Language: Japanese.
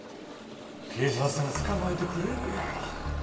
警察が捕まえてくれるやろ。